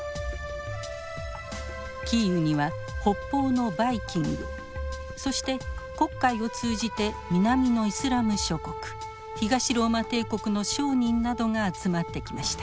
キーウには北方のバイキングそして黒海を通じて南のイスラム諸国東ローマ帝国の商人などが集まってきました。